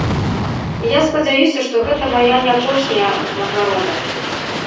І я спадзяюся, што гэта мая не апошняя ўзнагарода.